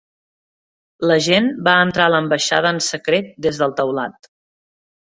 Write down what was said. L'agent va entrar a l'ambaixada en secret des del teulat.